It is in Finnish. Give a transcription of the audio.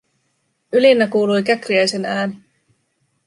Ylinnä kuului Käkriäisen ääni.